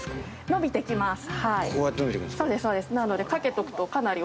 伸びてきます。